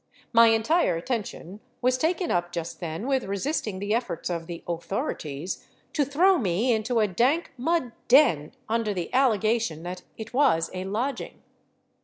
My entire attention was taken up just then with resisting the efforts of the " authorities " to throw me into a dank mud den, under the allegation that it was a lodging.